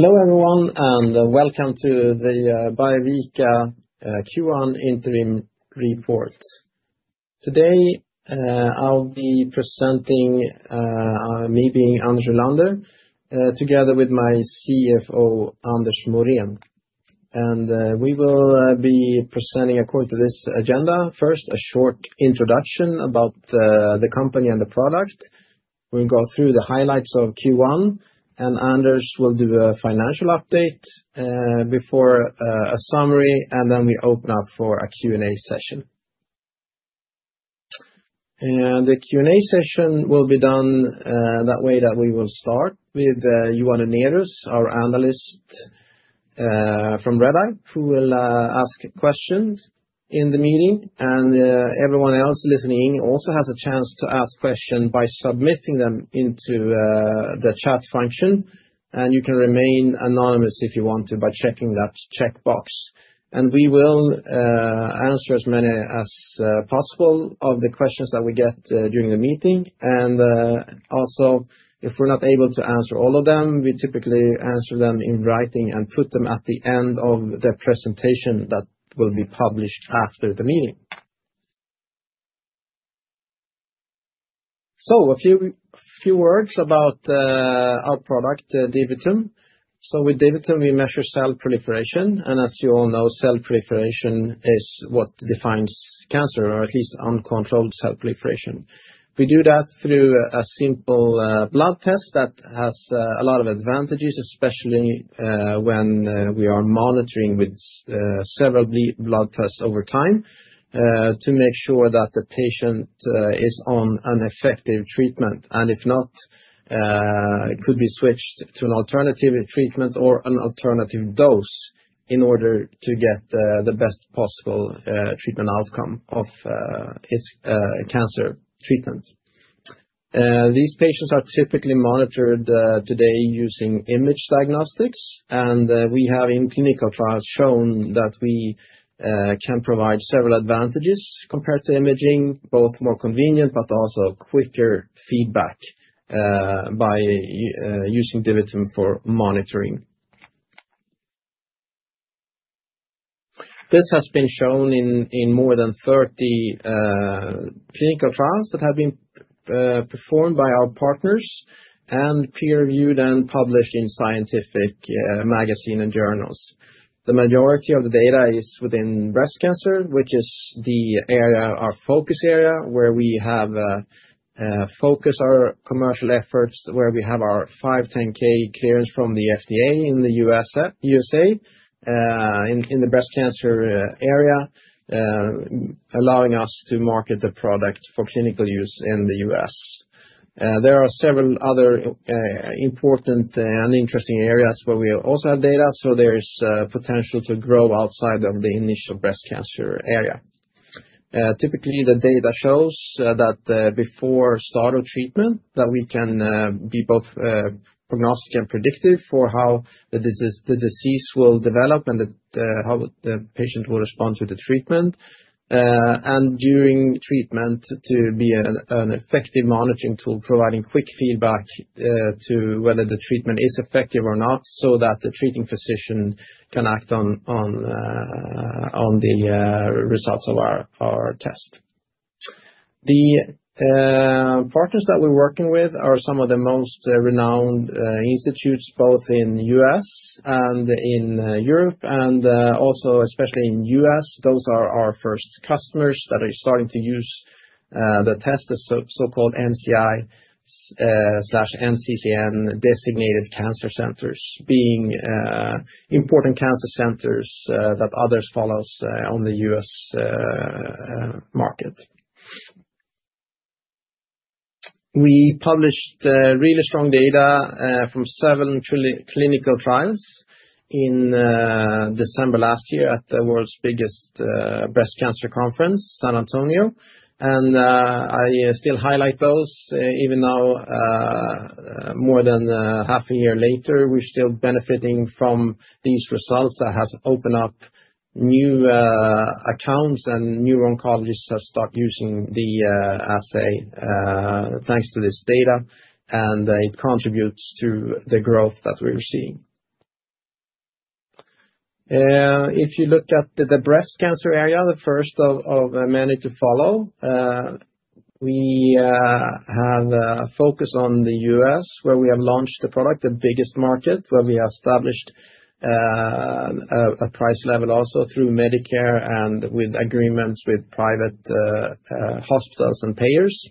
Hello everyone, and welcome to the Biovica Q1 Interim Report. Today I'll be presenting, me being Anders Rylander, together with my CFO, Anders Morén. We will be presenting according to this agenda. First, a short introduction about the company and the product. We'll go through the highlights of Q1, and Anders will do a financial update before a summary, and then we open up for a Q&A session. The Q&A session will be done that way that we will start with Johan Unnérus, our analyst from Redeye, who will ask questions in the meeting. Everyone else listening also has a chance to ask questions by submitting them into the chat function. You can remain anonymous if you want to by checking that checkbox. We will answer as many as possible of the questions that we get during the meeting. Also, if we're not able to answer all of them, we typically answer them in writing and put them at the end of the presentation that will be published after the meeting. A few words about our product, DiviTum. With DiviTum, we measure cell proliferation. As you all know, cell proliferation is what defines cancer, or at least uncontrolled cell proliferation. We do that through a simple blood test that has a lot of advantages, especially when we are monitoring with several blood tests over time to make sure that the patient is on an effective treatment. If not, it could be switched to an alternative treatment or an alternative dose in order to get the best possible treatment outcome of its cancer treatment. These patients are typically monitored today using image diagnostics, and we have in clinical trials shown that we can provide several advantages compared to imaging, both more convenient but also quicker feedback by using DiviTum for monitoring. This has been shown in more than 30 clinical trials that have been performed by our partners and peer-reviewed and published in scientific magazines and journals. The majority of the data is within breast cancer, which is the area, our focus area, where we have focused our commercial efforts, where we have our 510(k) clearance from the FDA in the U.S.A. in the breast cancer area, allowing us to market the product for clinical use in the U.S.. There are several other important and interesting areas where we also have data, so there is potential to grow outside of the initial breast cancer area. Typically, the data shows that before start of treatment, that we can be both prognostic and predictive for how the disease will develop and how the patient will respond to the treatment, and during treatment, to be an effective monitoring tool, providing quick feedback to whether the treatment is effective or not, so that the treating physician can act on the results of our test. The partners that we're working with are some of the most renowned institutes, both in the U.S. and in Europe, and also especially in the U.S.. Those are our first customers that are starting to use the test, the so-called NCI/NCCN Designated Cancer Centers, being important cancer centers that others follow on the U.S. market. We published really strong data from several clinical trials in December last year at the world's biggest breast cancer conference, San Antonio. I still highlight those, even now, more than half a year later, we're still benefiting from these results that have opened up new accounts and new oncologists have started using the assay thanks to this data, and it contributes to the growth that we're seeing. If you look at the breast cancer area, the first of many to follow, we have a focus on the U.S., where we have launched the product, the biggest market, where we have established a price level also through Medicare and with agreements with private hospitals and payers.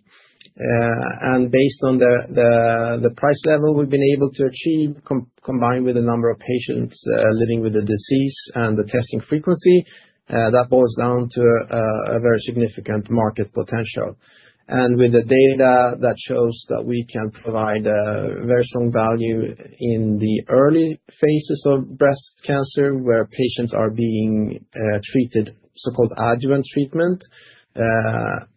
Based on the price level we've been able to achieve, combined with the number of patients living with the disease and the testing frequency, that boils down to a very significant market potential. With the data that shows that we can provide very strong value in the early phases of breast cancer, where patients are being treated, so-called adjuvant treatment, and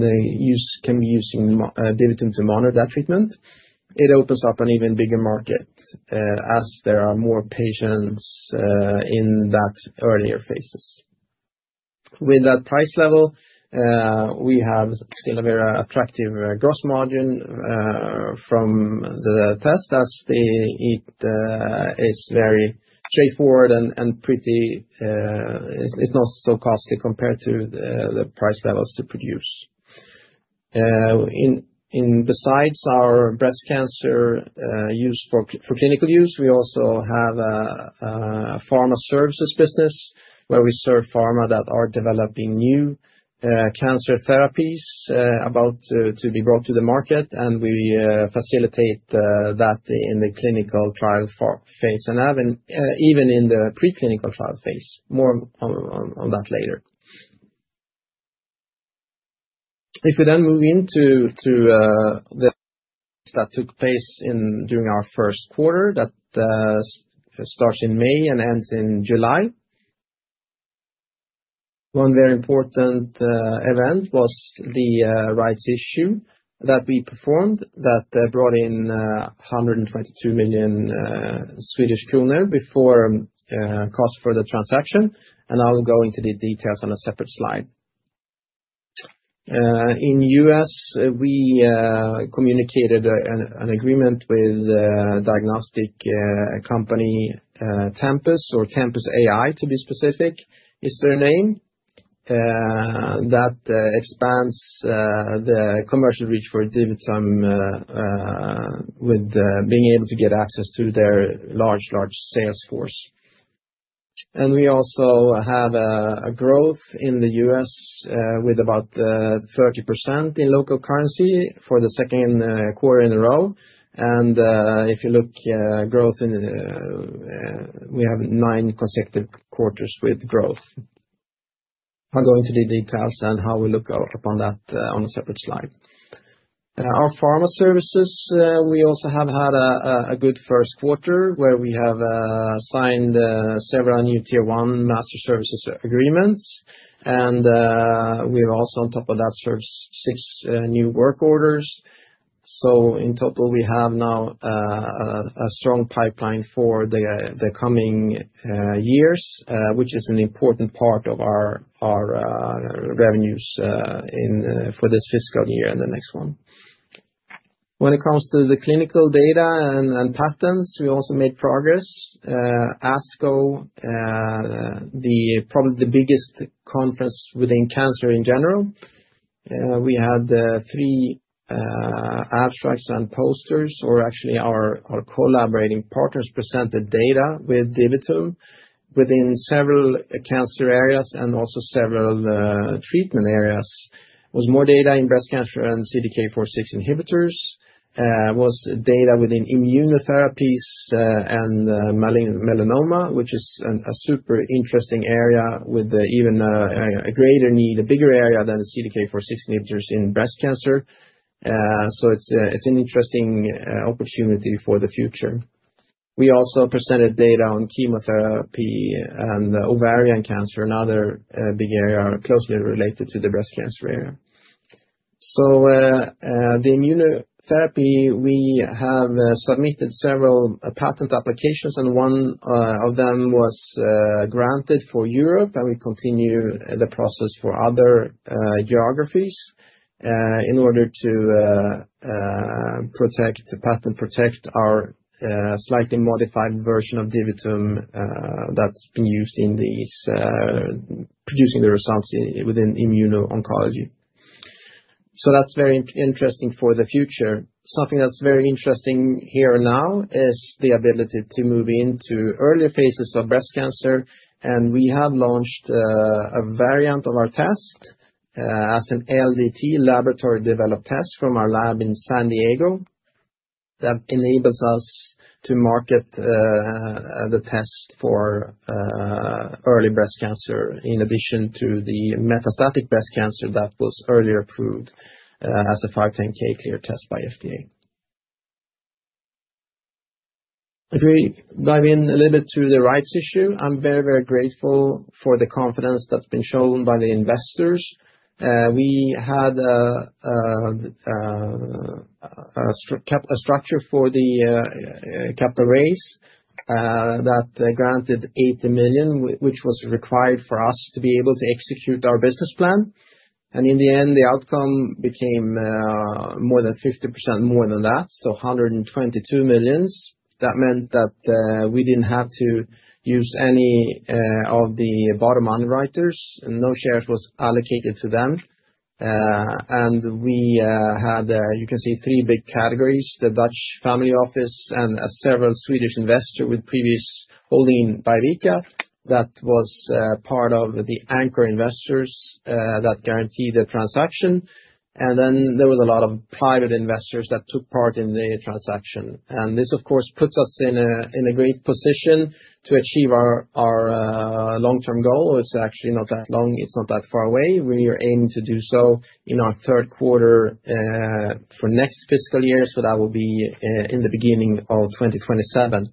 they can be using DiviTum to monitor that treatment, it opens up an even bigger market as there are more patients in that earlier phases. With that price level, we have still a very attractive gross margin from the test as it is very straightforward and pretty. It's not so costly compared to the price levels to produce. Besides our breast cancer use for clinical use, we also have a Pharma Services business where we serve pharma that are developing new cancer therapies to be brought to the market, and we facilitate that in the clinical trial phase and even in the preclinical trial phase. More on that later. If we then move into the events that took place during our first quarter that starts in May and ends in July, one very important event was the rights issue that we performed that brought in 122 million Swedish kronor before cost for the transaction, and I'll go into the details on a separate slide. In the U.S., we communicated an agreement with the diagnostic company Tempus, or Tempus AI, to be specific is their name, that expands the commercial reach for DiviTum with being able to get access through their large, large sales force. And we also have a growth in the U.S. with about 30% in local currency for the second quarter in a row. And if you look, growth in we have nine consecutive quarters with growth. I'll go into the details and how we look upon that on a separate slide. Our pharma services, we also have had a good first quarter where we have signed several new Tier-One Master Services Agreements, and we have also on top of that served six new work orders. So in total, we have now a strong pipeline for the coming years, which is an important part of our revenues for this fiscal year and the next one. When it comes to the clinical data and patents, we also made progress. ASCO, probably the biggest conference within cancer in general. We had three abstracts and posters, or actually our collaborating partners presented data with DiviTum within several cancer areas and also several treatment areas. There was more data in breast cancer and CDK4/6 inhibitors. There was data within immunotherapies and melanoma, which is a super interesting area with even a greater need, a bigger area than CDK4/6 inhibitors in breast cancer. So it's an interesting opportunity for the future. We also presented data on chemotherapy and ovarian cancer, another big area closely related to the breast cancer area. So the immunotherapy, we have submitted several patent applications, and one of them was granted for Europe, and we continue the process for other geographies in order to protect, patent protect our slightly modified version of DiviTum that's been used in producing the results within immuno-oncology. So that's very interesting for the future. Something that's very interesting here now is the ability to move into earlier phases of breast cancer, and we have launched a variant of our test as an LDT Laboratory Developed Test from our lab in San Diego that enables us to market the test for early breast cancer in addition to the metastatic breast cancer that was earlier approved as a 510(k) cleared test by FDA. If we dive in a little bit to the rights issue, I'm very, very grateful for the confidence that's been shown by the investors. We had a structure for the capital raise that granted 80 million, which was required for us to be able to execute our business plan. And in the end, the outcome became more than 50% more than that, so 122 million. That meant that we didn't have to use any of the bottom underwriters, and no shares were allocated to them. And we had, you can see, three big categories: the Dutch family office and several Swedish investors with previous holding in Biovica that was part of the anchor investors that guaranteed the transaction. And then there was a lot of private investors that took part in the transaction. And this, of course, puts us in a great position to achieve our long-term goal. It's actually not that long. It's not that far away. We are aiming to do so in our third quarter for next fiscal year, so that will be in the beginning of 2027,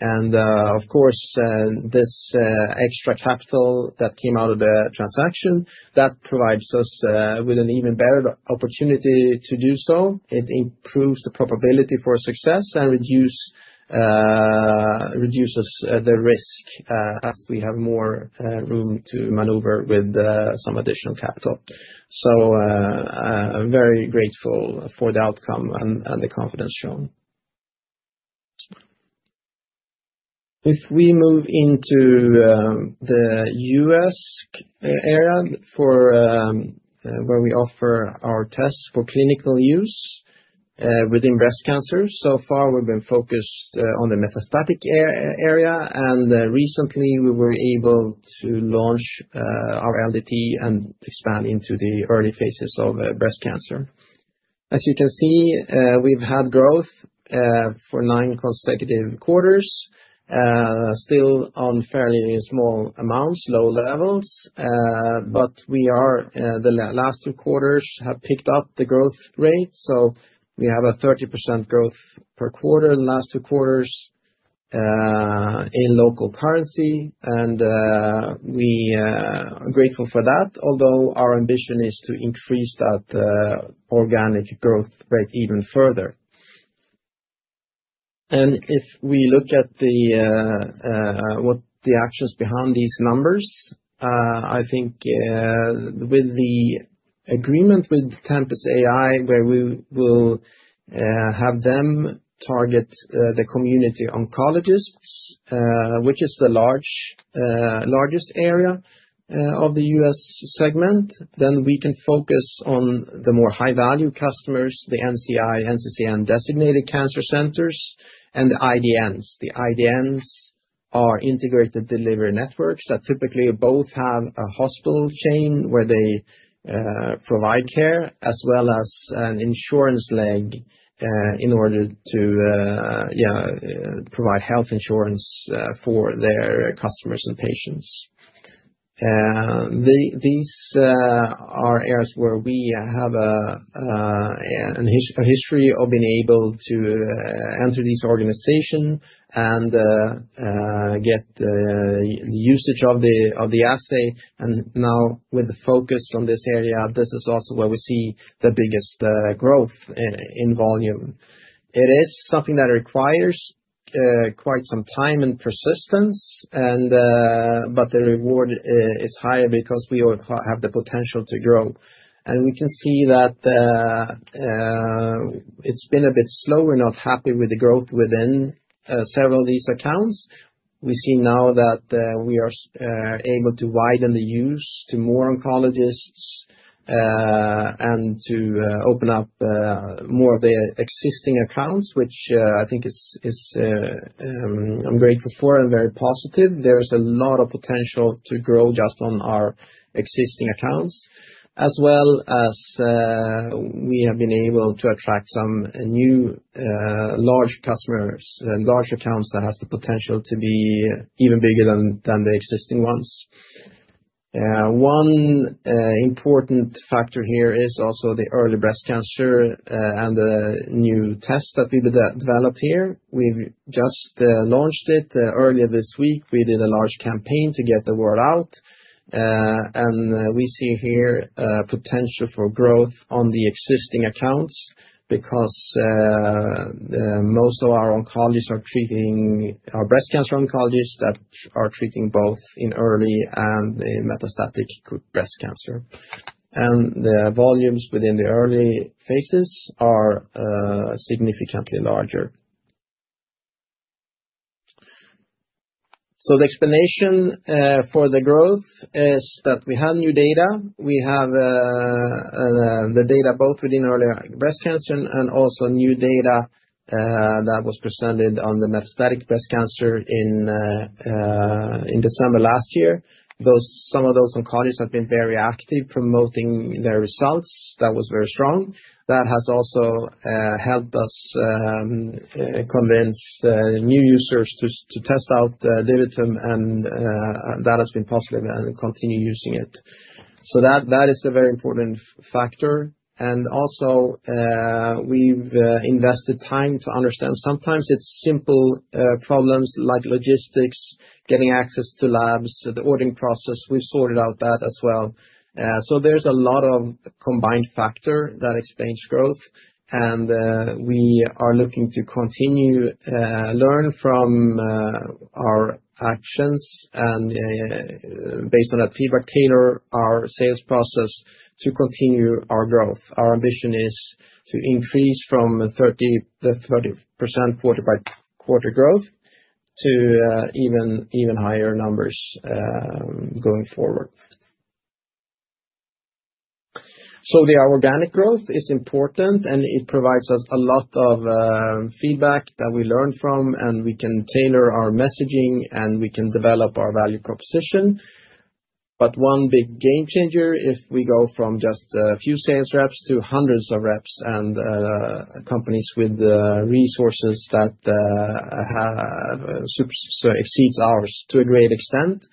and of course, this extra capital that came out of the transaction, that provides us with an even better opportunity to do so. It improves the probability for success and reduces the risk as we have more room to maneuver with some additional capital, so I'm very grateful for the outcome and the confidence shown. If we move into the U.S. area where we offer our tests for clinical use within breast cancer, so far we've been focused on the metastatic area, and recently we were able to launch our LDT and expand into the early phases of breast cancer. As you can see, we've had growth for nine consecutive quarters, still on fairly small amounts, low levels, but the last two quarters have picked up the growth rate. So we have a 30% growth per quarter in the last two quarters in local currency, and we are grateful for that, although our ambition is to increase that organic growth rate even further, and if we look at what the actions behind these numbers, I think with the agreement with Tempus AI, where we will have them target the community oncologists, which is the largest area of the U.S. segment, then we can focus on the more high-value customers, the NCI, NCCN Designated Cancer Centers, and the IDNs. The IDNs are integrated delivery networks that typically both have a hospital chain where they provide care as well as an insurance leg in order to provide health insurance for their customers and patients. These are areas where we have a history of being able to enter this organization and get the usage of the assay, and now with the focus on this area, this is also where we see the biggest growth in volume. It is something that requires quite some time and persistence, but the reward is higher because we have the potential to grow, and we can see that it's been a bit slow. We're not happy with the growth within several of these accounts. We see now that we are able to widen the use to more oncologists and to open up more of the existing accounts, which I think I'm grateful for, and very positive. There's a lot of potential to grow just on our existing accounts, as well as we have been able to attract some new large customers, large accounts that have the potential to be even bigger than the existing ones. One important factor here is also the early breast cancer and the new test that we developed here. We've just launched it earlier this week. We did a large campaign to get the word out, and we see here potential for growth on the existing accounts because most of our oncologists are treating our breast cancer oncologists that are treating both in early and metastatic breast cancer, and the volumes within the early phases are significantly larger, so the explanation for the growth is that we have new data. We have the data both within early breast cancer and also new data that was presented on the metastatic breast cancer in December last year. Some of those oncologists have been very active promoting their results. That was very strong. That has also helped us convince new users to test out DiviTum, and that has been positive and continue using it, so that is a very important factor, and also we've invested time to understand sometimes it's simple problems like logistics, getting access to labs, the ordering process. We've sorted out that as well, so there's a lot of combined factor that explains growth, and we are looking to continue to learn from our actions and, based on that feedback, tailor our sales process to continue our growth. Our ambition is to increase from 30%-40% by quarter growth to even higher numbers going forward. So the organic growth is important, and it provides us a lot of feedback that we learn from, and we can tailor our messaging, and we can develop our value proposition. But one big game changer, if we go from just a few sales reps to hundreds of reps and companies with resources that exceed ours to a great extent.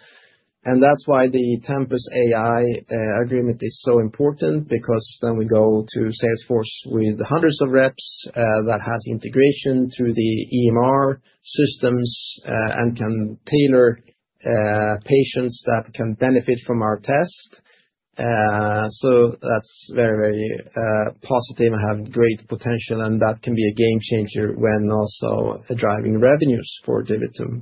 And that's why the Tempus AI agreement is so important, because then we go to sales force with hundreds of reps that have integration through the EMR systems and can target patients that can benefit from our test. So that's very, very positive and has great potential, and that can be a game changer when also driving revenues for DiviTum.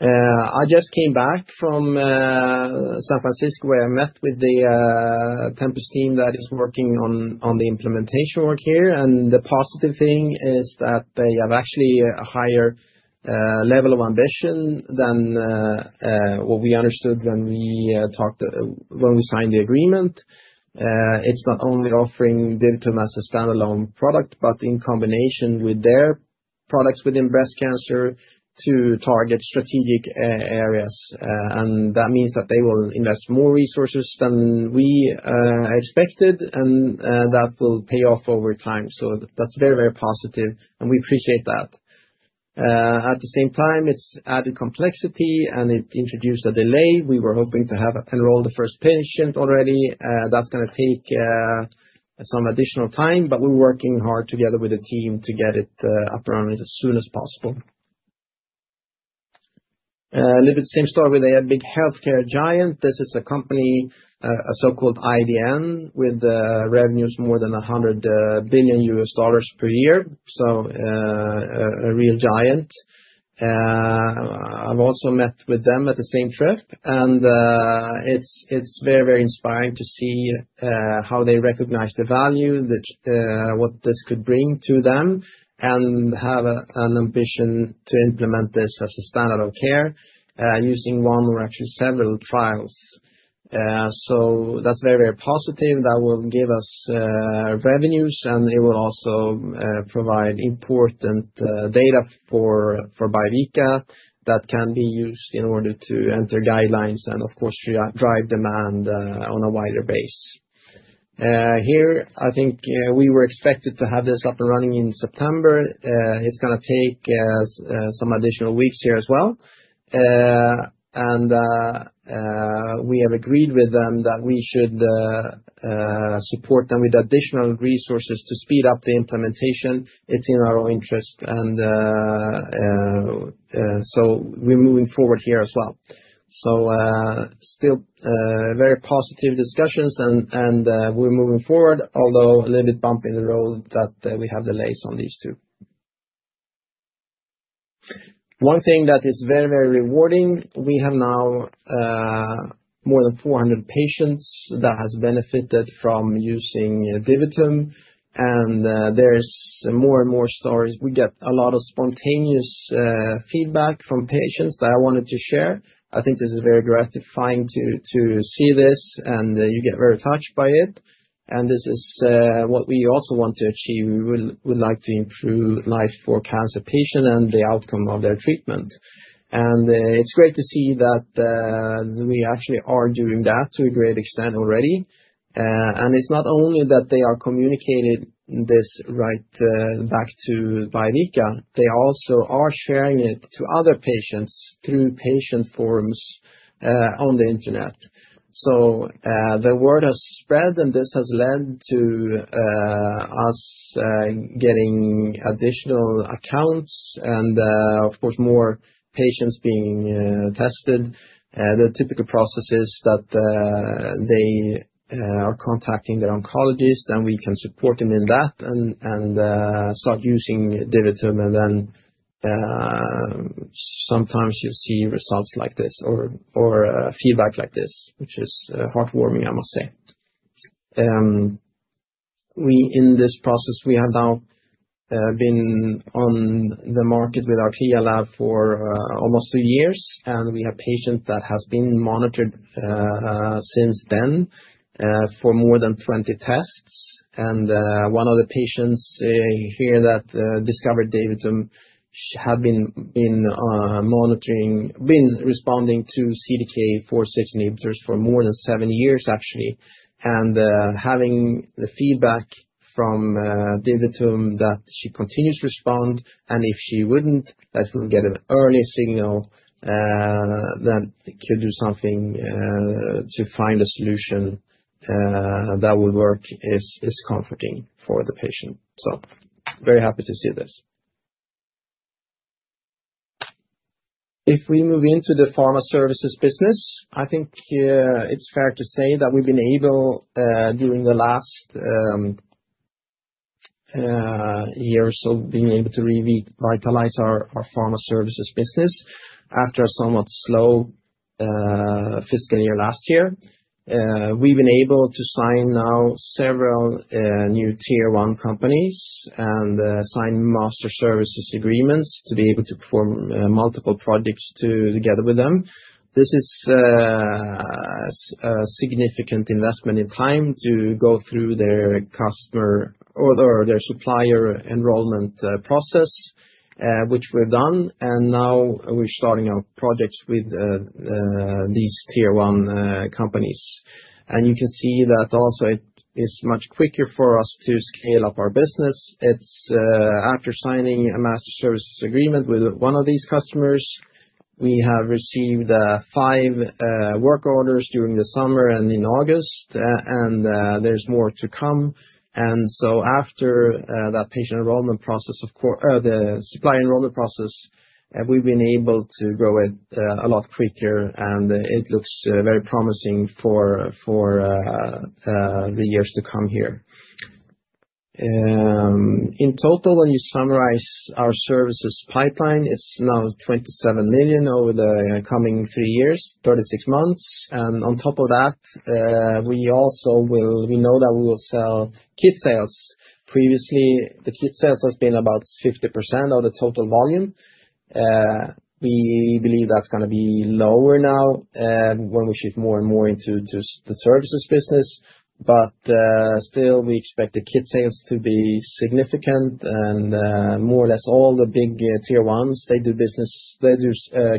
I just came back from San Francisco, where I met with the Tempus team that is working on the implementation work here. The positive thing is that they have actually a higher level of ambition than what we understood when we signed the agreement. It's not only offering DiviTum as a standalone product, but in combination with their products within breast cancer to target strategic areas. And that means that they will invest more resources than we expected, and that will pay off over time. So that's very, very positive, and we appreciate that. At the same time, it's added complexity, and it introduced a delay. We were hoping to have enrolled the first patient already. That's going to take some additional time, but we're working hard together with the team to get it up and running as soon as possible. A little bit of the same story with a big healthcare giant. This is a company, a so-called IDN, with revenues more than $100 billion per year. So, a real giant. I've also met with them at the same trip, and it's very, very inspiring to see how they recognize the value, what this could bring to them, and have an ambition to implement this as a standard of care using one or actually several trials. So that's very, very positive. That will give us revenues, and it will also provide important data for Biovica that can be used in order to enter guidelines and, of course, drive demand on a wider base. Here, I think we were expected to have this up and running in September. It's going to take some additional weeks here as well. And we have agreed with them that we should support them with additional resources to speed up the implementation. It's in our interest, and so we're moving forward here as well. So, still very positive discussions, and we're moving forward, although a little bit bump in the road that we have delays on these two. One thing that is very, very rewarding. We have now more than 400 patients that have benefited from using DiviTum, and there's more and more stories. We get a lot of spontaneous feedback from patients that I wanted to share. I think this is very gratifying to see this, and you get very touched by it. And this is what we also want to achieve. We would like to improve life for cancer patients and the outcome of their treatment. And it's great to see that we actually are doing that to a great extent already. And it's not only that they are communicating this right back to Biovica, they also are sharing it to other patients through patient forums on the internet. So the word has spread, and this has led to us getting additional accounts and, of course, more patients being tested. The typical process is that they are contacting their oncologist, and we can support them in that and start using DiviTum. And then sometimes you see results like this or feedback like this, which is heartwarming, I must say. In this process, we have now been on the market with our CLIA lab for almost two years, and we have a patient that has been monitored since then for more than 20 tests. And one of the patients here that discovered DiviTum had been responding to CDK4/6 inhibitors for more than seven years, actually. Having the feedback from DiviTum that she continues to respond, and if she wouldn't, that we'll get an early signal that could do something to find a solution that would work is comforting for the patient. So very happy to see this. If we move into the Pharma Services business, I think it's fair to say that we've been able during the last year or so being able to revitalize our Pharma Services business after a somewhat slow fiscal year last year. We've been able to sign now several new Tier one companies and sign Master Services Agreements to be able to perform multiple projects together with them. This is a significant investment in time to go through their customer or their supplier enrollment process, which we've done. And now we're starting our projects with these Tier one companies. You can see that also it is much quicker for us to scale up our business. After signing a master services agreement with one of these customers, we have received five work orders during the summer and in August, and there's more to come. And so after that patient enrollment process, the supplier enrollment process, we've been able to grow it a lot quicker, and it looks very promising for the years to come here. In total, when you summarize our services pipeline, it's now 27 million over the coming three years, 36 months. And on top of that, we know that we will sell kit sales. Previously, the kit sales has been about 50% of the total volume. We believe that's going to be lower now when we shift more and more into the services business. But still, we expect the kit sales to be significant. More or less, all the big Tier ones, they do business, they do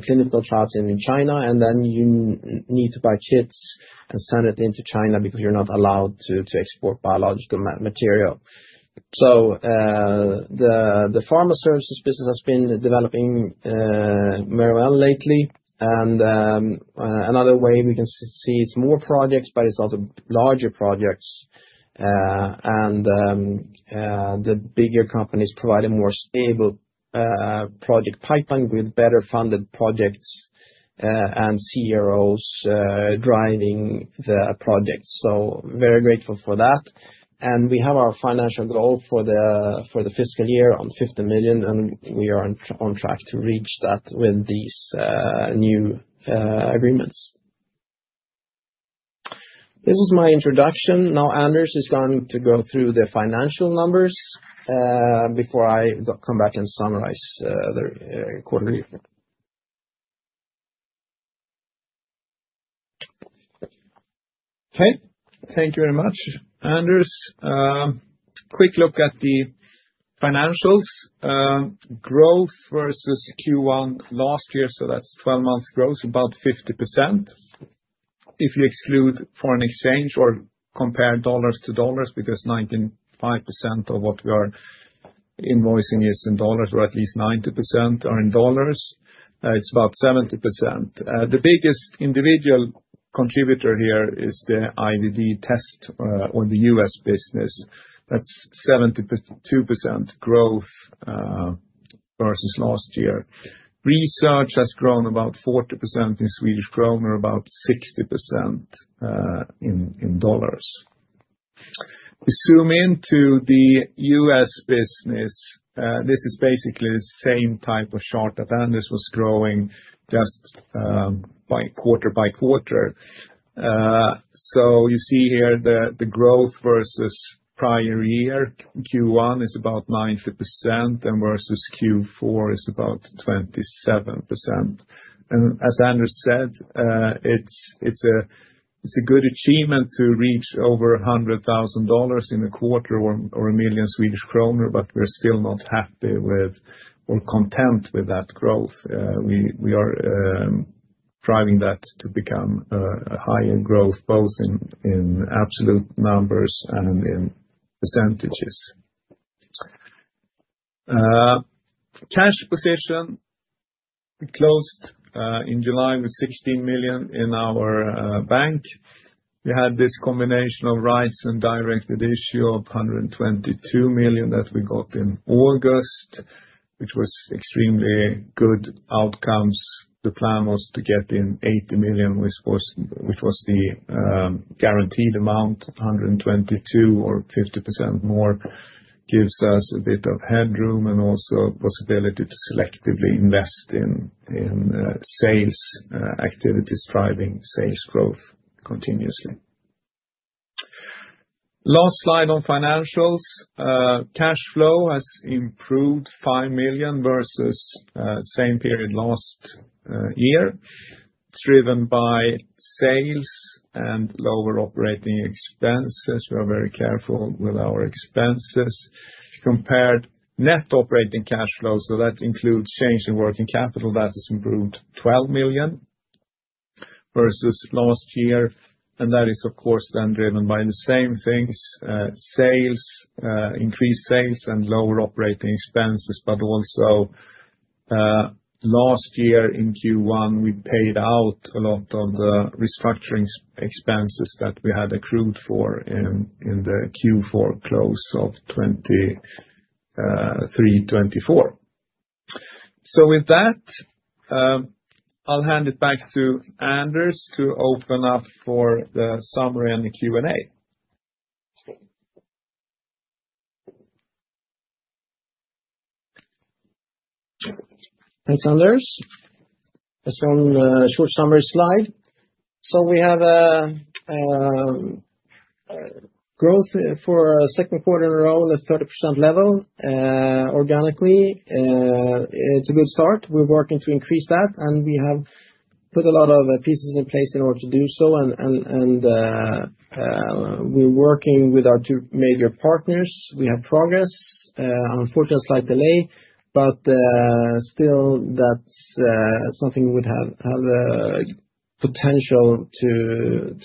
clinical trials in China, and then you need to buy kits and send it into China because you're not allowed to export biological material. So the Pharma Services business has been developing very well lately. Another way we can see is more projects, but it's also larger projects. The bigger companies provide a more stable project pipeline with better funded projects and CROs driving the projects. Very grateful for that. We have our financial goal for the fiscal year on 50 million, and we are on track to reach that with these new agreements. This was my introduction. Now, Anders is going to go through the financial numbers before I come back and summarize the quarterly report. Okay. Thank you very much, Anders. Quick look at the financials. Growth versus Q1 last year, so that's 12 months growth, about 50%. If you exclude foreign exchange or compare dollars to dollars, because 95% of what we are invoicing is in dollars, or at least 90% are in dollars, it's about 70%. The biggest individual contributor here is the IVD test or the US business. That's 72% growth versus last year. Research has grown about 40% in Swedish kronor, about 60% in dollars. We zoom into the U.S. business. This is basically the same type of chart that Anders was showing just by quarter by quarter. So you see here the growth versus prior year, Q1 is about 90%, and versus Q4 is about 27%. As Anders said, it's a good achievement to reach over $100,000 in a quarter or 1 million Swedish kronor, but we're still not happy with or content with that growth. We are driving that to become a higher growth, both in absolute numbers and in percentages. Cash position closed in July with 16 million in our bank. We had this combination of rights and directed issue of 122 million that we got in August, which was extremely good outcomes. The plan was to get in 80 million, which was the guaranteed amount, 122 million or 50% more, gives us a bit of headroom and also possibility to selectively invest in sales activities, driving sales growth continuously. Last slide on financials. Cash flow has improved 5 million versus same period last year. It's driven by sales and lower operating expenses. We are very careful with our expenses. Compared net operating cash flow, so that includes change in working capital, that has improved 12 million versus last year. That is, of course, then driven by the same things, increased sales and lower operating expenses. But also last year in Q1, we paid out a lot of the restructuring expenses that we had accrued for in the Q4 close of 2023/2024. With that, I'll hand it back to Anders to open up for the summary and the Q&A. Thanks, Anders. Just one short summary slide. We have growth for a second quarter in a row at 30% level organically. It's a good start. We're working to increase that, and we have put a lot of pieces in place in order to do so. We're working with our two major partners. We have progress. Unfortunately, a slight delay, but still, that's something we would have potential to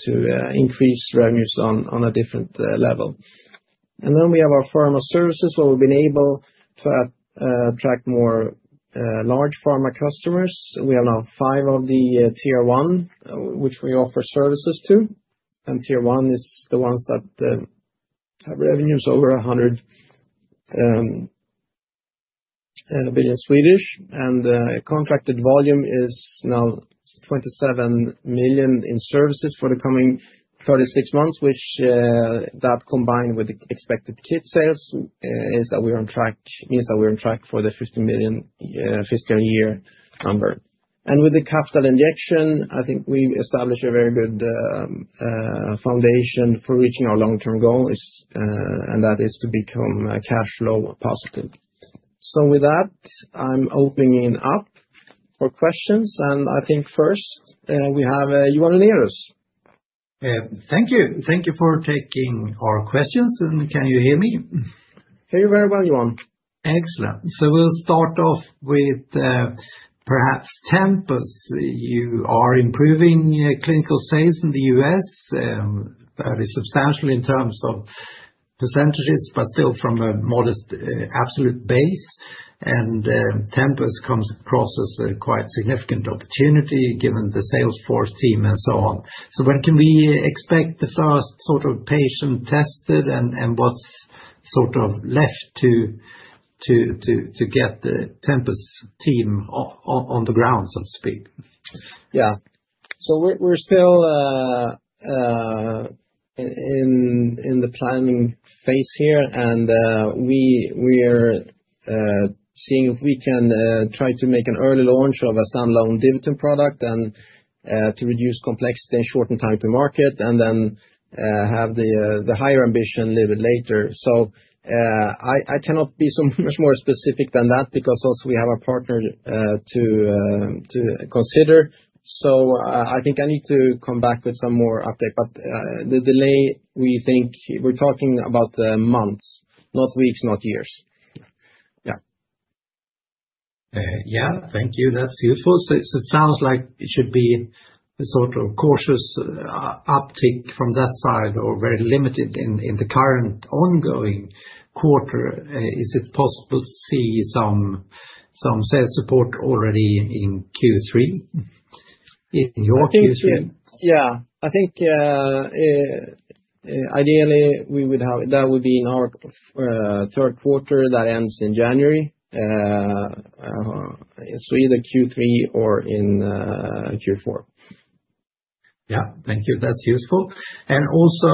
increase revenues on a different level. And then we have our pharma services, where we've been able to attract more large pharma customers. We have now five of the Tier one, which we offer services to. And Tier one is the ones that have revenues over 100 billion. And contracted volume is now 27 million in services for the coming 36 months, which, combined with the expected kit sales, means that we're on track for the 50 million fiscal year number. And with the capital injection, I think we established a very good foundation for reaching our long-term goal, and that is to become cash flow positive. So with that, I'm opening up for questions. And I think first, we have Johan Unnérus. Thank you. Thank you for taking our questions. And can you hear me? Hear you very well, Johan. Excellent. So we'll start off with perhaps Tempus. You are improving clinical sales in the U.S., fairly substantial in terms of percentages, but still from a modest absolute base, and Tempus comes across as a quite significant opportunity given the sales force team and so on, so when can we expect the first sort of patient tested and what's sort of left to get the Tempus team on the ground, so to speak? Yeah, so we're still in the planning phase here, and we are seeing if we can try to make an early launch of a Standalone DiviTum product and to reduce complexity and shorten time to market, and then have the higher ambition a little bit later, so I cannot be so much more specific than that because also we have a partner to consider, so I think I need to come back with some more update. But the delay, we think we're talking about months, not weeks, not years. Yeah. Yeah. Thank you. That's useful. So it sounds like it should be a sort of cautious uptick from that side or very limited in the current ongoing quarter. Is it possible to see some sales support already in Q3, in your Q3? Yeah. I think ideally we would have that would be in our third quarter that ends in January. So either Q3 or in Q4. Yeah. Thank you. That's useful. And also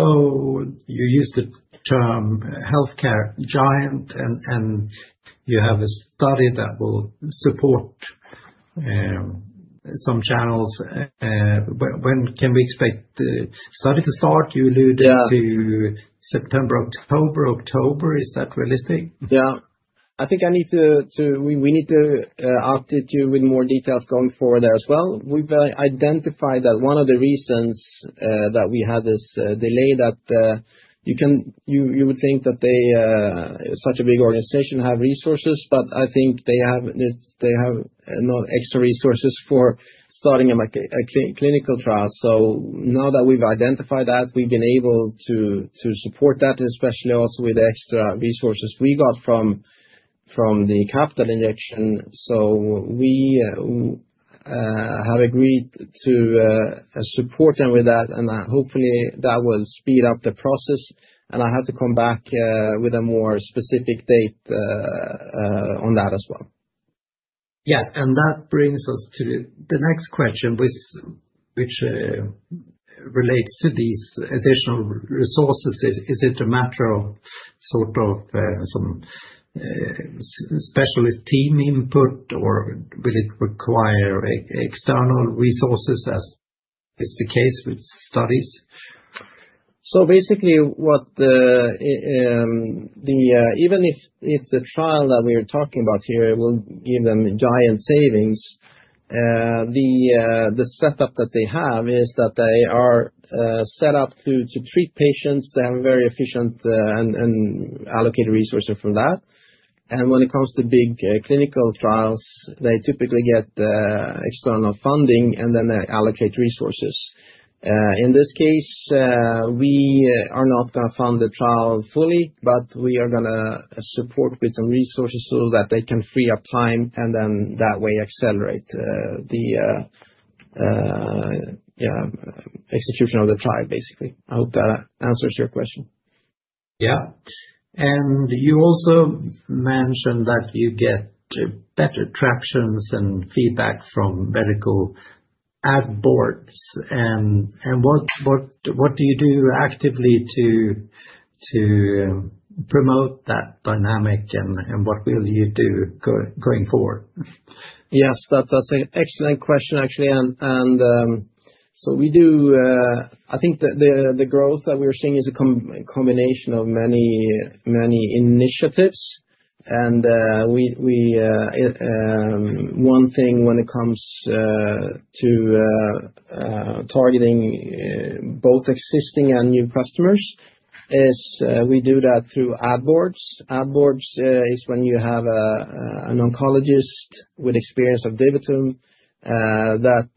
you used the term healthcare giant, and you have a study that will support some channels. When can we expect the study to start? You alluded to September, October. October, is that realistic? Yeah. I think we need to update you with more details going forward there as well. We've identified that one of the reasons that we had this delay, that you would think that such a big organization has resources, but I think they have not extra resources for starting a clinical trial. So now that we've identified that, we've been able to support that, especially also with the extra resources we got from the capital injection. So we have agreed to support them with that, and hopefully that will speed up the process. And I have to come back with a more specific date on that as well. Yeah. And that brings us to the next question, which relates to these additional resources. Is it a matter of sort of some specialist team input, or will it require external resources as is the case with studies? Basically, even if the trial that we're talking about here will give them giant savings, the setup that they have is that they are set up to treat patients. They have very efficient and allocated resources for that. And when it comes to big clinical trials, they typically get external funding, and then they allocate resources. In this case, we are not going to fund the trial fully, but we are going to support with some resources so that they can free up time and then that way accelerate the execution of the trial, basically. I hope that answers your question. Yeah. You also mentioned that you get better traction and feedback from medical ad boards. What do you do actively to promote that dynamic, and what will you do going forward? Yes, that's an excellent question, actually. And so we do. I think the growth that we're seeing is a combination of many initiatives. One thing when it comes to targeting both existing and new customers is we do that through ad boards. Ad boards is when you have an oncologist with experience of DiviTum that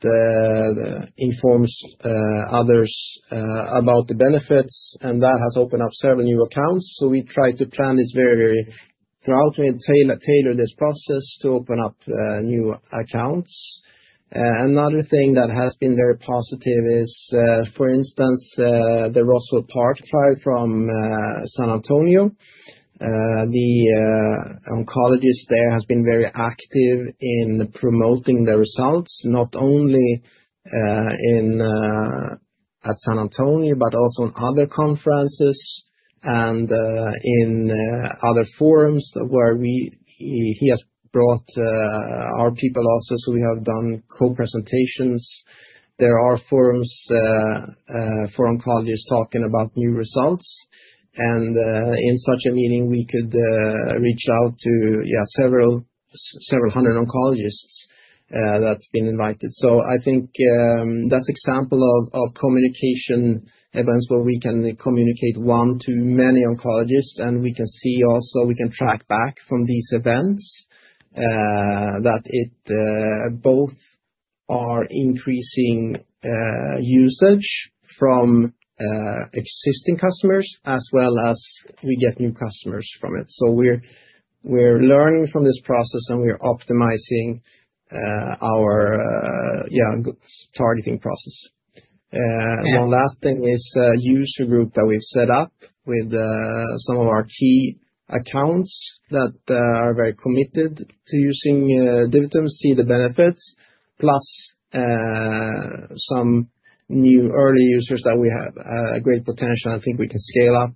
informs others about the benefits, and that has opened up several new accounts. We try to plan this very, very thoroughly and tailor this process to open up new accounts. Another thing that has been very positive is, for instance, the Roswell Park trial from San Antonio. The oncologist there has been very active in promoting the results, not only at San Antonio, but also in other conferences and in other forums where he has brought our people also. We have done co-presentations. There are forums for oncologists talking about new results. In such a meeting, we could reach out to several hundred oncologists that's been invited. I think that's an example of communication events where we can communicate one to many oncologists, and we can see also we can track back from these events that both are increasing usage from existing customers as well as we get new customers from it. We're learning from this process, and we're optimizing our targeting process. One last thing is a user group that we've set up with some of our key accounts that are very committed to using DiviTum, see the benefits, plus some new early users that we have great potential. I think we can scale up.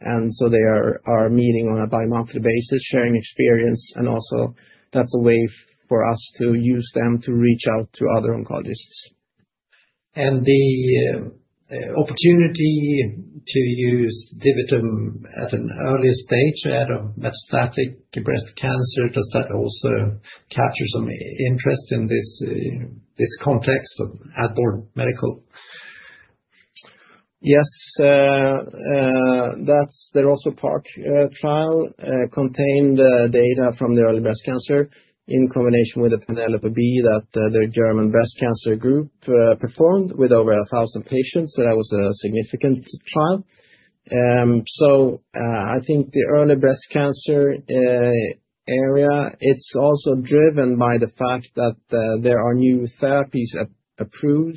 They are meeting on a bimonthly basis, sharing experience. Also that's a way for us to use them to reach out to other oncologists. The opportunity to use DiviTum at an early stage out of metastatic breast cancer, does that also capture some interest in this context of ad board medical? Yes. That's the Roswell Park trial contained data from the early breast cancer in combination with the PENELOPE-B that the German Breast Cancer Group performed with over 1,000 patients. So that was a significant trial. So I think the early breast cancer area, it's also driven by the fact that there are new therapies approved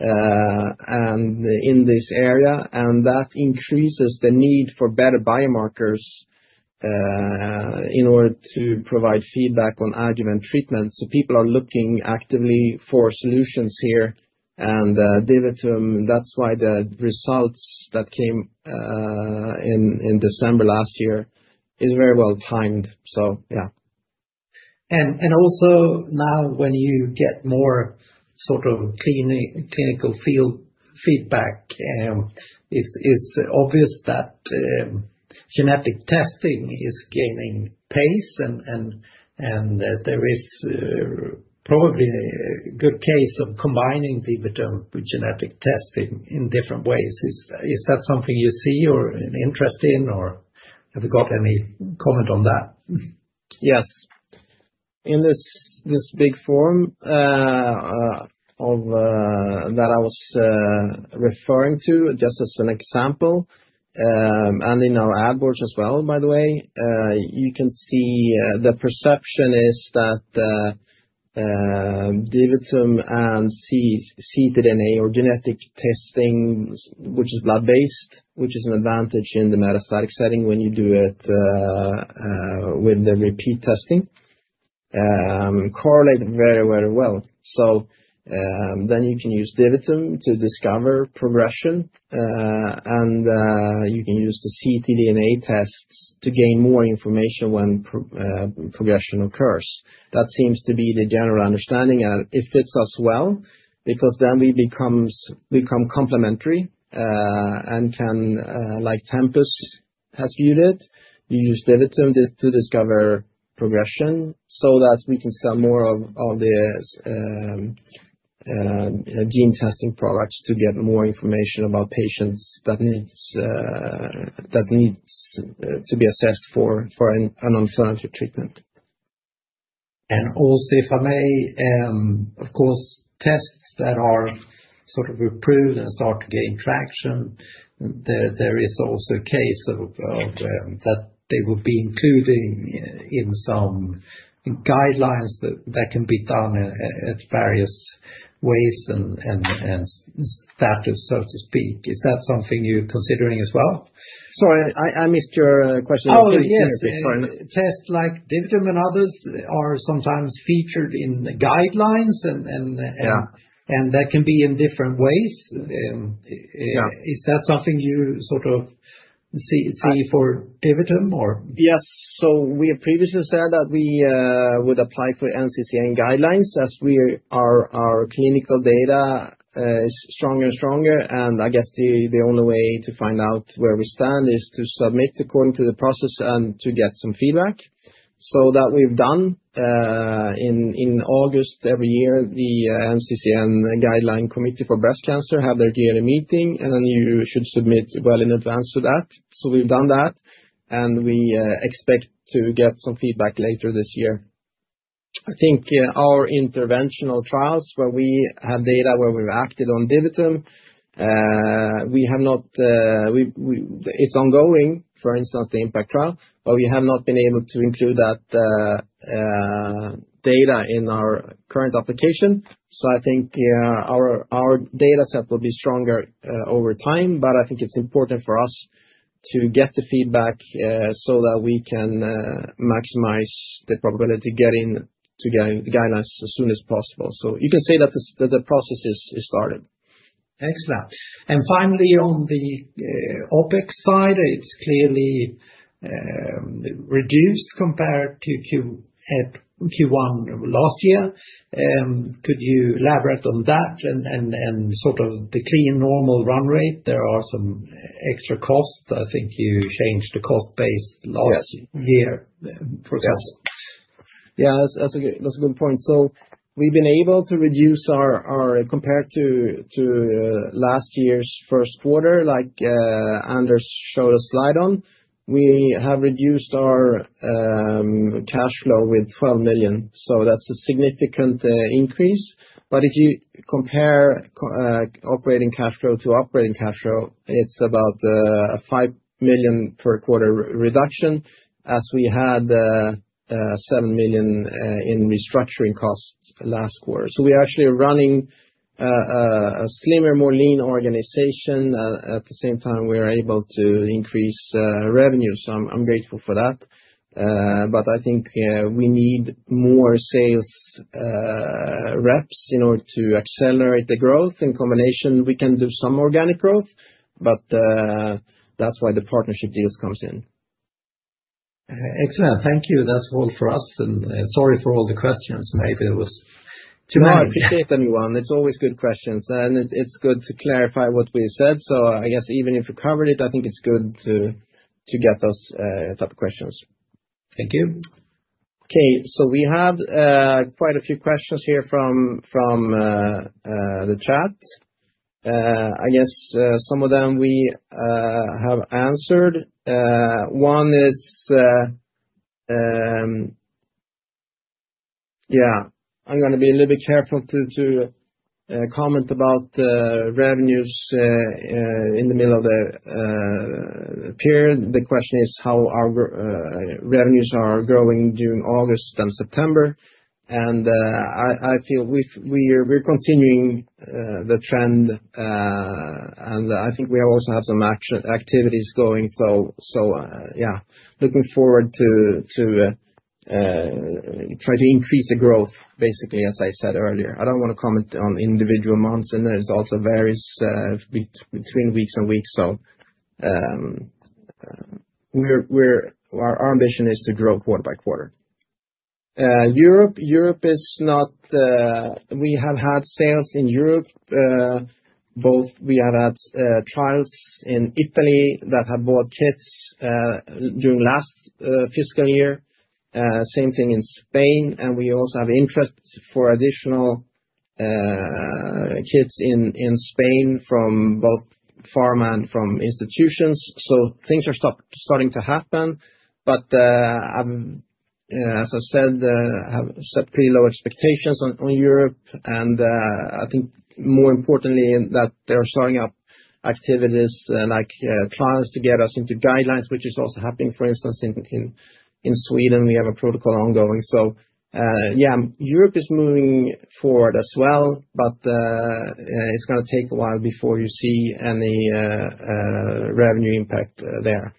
in this area, and that increases the need for better biomarkers in order to provide feedback on adjuvant treatment. So people are looking actively for solutions here and DiviTum. That's why the results that came in December last year is very well timed. So yeah. And also now, when you get more sort of clinical field feedback, it's obvious that genetic testing is gaining pace, and there is probably a good case of combining DiviTum with genetic testing in different ways. Is that something you see or interest in, or have you got any comment on that? Yes. In this big pharma that I was referring to, just as an example, and in our ad boards as well, by the way, you can see the perception is that DiviTum and ctDNA or genetic testing, which is blood-based, which is an advantage in the metastatic setting when you do it with the repeat testing, correlate very, very well. So then you can use DiviTum to discover progression, and you can use the ctDNA tests to gain more information when progression occurs. That seems to be the general understanding, and it fits us well because then we become complementary and can, like Tempus has viewed it, use DiviTum to discover progression so that we can sell more of the gene testing products to get more information about patients that need to be assessed for an alternative treatment. And also, if I may, of course, tests that are sort of approved and start to gain traction, there is also a case that they will be included in some guidelines that can be done at various ways and status, so to speak. Is that something you're considering as well? Sorry, I missed your question. Oh, yes. Tests like DiviTum and others are sometimes featured in guidelines, and that can be in different ways. Is that something you sort of see for DiviTum, or? Yes. We have previously said that we would apply for NCCN Guidelines as our clinical data is stronger and stronger. I guess the only way to find out where we stand is to submit according to the process and to get some feedback. That we've done in August. Every year, the NCCN Guideline Committee for Breast Cancer has their yearly meeting, and then you should submit well in advance of that. We've done that, and we expect to get some feedback later this year. I think our interventional trials where we have data where we've acted on DiviTum, we have not; it's ongoing, for instance, the IMPACT Trial, but we have not been able to include that data in our current application. I think our data set will be stronger over time, but I think it's important for us to get the feedback so that we can maximize the probability to get into guidelines as soon as possible. You can say that the process is started. Excellent. And finally, on the OpEx side, it's clearly reduced compared to Q1 last year. Could you elaborate on that and sort of the clean normal run rate? There are some extra costs. I think you changed the cost base last year, for example. Yes. Yeah, that's a good point. We've been able to reduce our OpEx compared to last year's first quarter, like Anders showed a slide on. We have reduced our cash flow with 12 million. That's a significant increase. But if you compare operating cash flow to operating cash flow, it's about a 5 million per quarter reduction as we had 7 million in restructuring costs last quarter. So we're actually running a slimmer, more lean organization. At the same time, we're able to increase revenue. So I'm grateful for that. But I think we need more sales reps in order to accelerate the growth. In combination, we can do some organic growth, but that's why the partnership deals come in. Excellent. Thank you. That's all for us. And sorry for all the questions. Maybe there was too many. No, I appreciate them, Johan. It's always good questions. And it's good to clarify what we said. So I guess even if we covered it, I think it's good to get those type of questions. Thank you. Okay. So we have quite a few questions here from the chat. I guess some of them we have answered. One is, yeah, I'm going to be a little bit careful to comment about revenues in the middle of the period. The question is how our revenues are growing during August and September. And I feel we're continuing the trend, and I think we also have some activities going. So yeah, looking forward to try to increase the growth, basically, as I said earlier. I don't want to comment on individual months, and then it also varies between weeks and weeks. So our ambition is to grow quarter by quarter. Europe is not. We have had sales in Europe. Both we have had trials in Italy that have bought kits during last fiscal year. Same thing in Spain. And we also have interest for additional kits in Spain from both pharma and from institutions. So things are starting to happen. But as I said, I have set pretty low expectations on Europe. And I think more importantly that they're starting up activities like trials to get us into guidelines, which is also happening. For instance, in Sweden, we have a protocol ongoing. So yeah, Europe is moving forward as well, but it's going to take a while before you see any revenue impact there.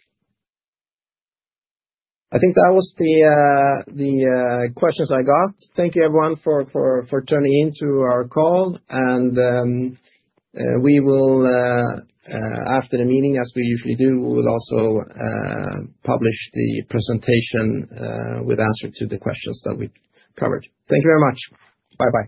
I think that was the questions I got. Thank you, everyone, for tuning into our call. And we will, after the meeting, as we usually do, we will also publish the presentation with answers to the questions that we covered. Thank you very much. Bye-bye.